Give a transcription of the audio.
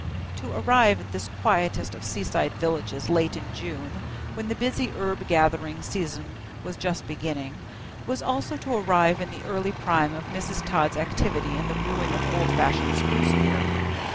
To arrive at this quietest of seaside villages late in June, when the busy herb gathering season was just beginning, was also to arrive in the early prime of Mrs. Todd's activity in the brewing of old fashioned spruce beer.